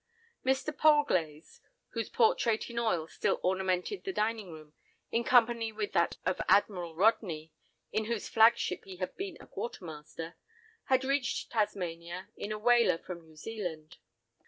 Mr. Polglase, whose portrait in oils still ornamented the dining room, in company with that of Admiral Rodney, in whose flagship he had been a quartermaster, had reached Tasmania in a whaler from New Zealand.